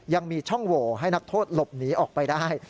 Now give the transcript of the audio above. ยังมีช่องโหวให้นักโทษหลบหนีออกไปได้